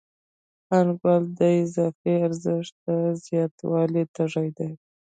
پانګوال د اضافي ارزښت د زیاتوالي تږی دی